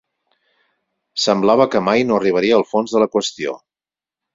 Semblava que mai no arribaria al fons de la qüestió.